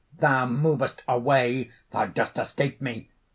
"Thou movest away! thou dost escape me!"